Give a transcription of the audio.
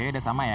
oke udah sama ya